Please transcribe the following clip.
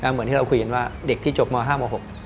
เหมือนที่เราคุยกันว่าเด็กที่จบม๕ม๖